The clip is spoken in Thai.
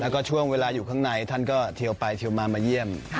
แล้วก็ช่วงเวลาอยู่ข้างในท่านก็เทียวไปเทียวมามาเยี่ยม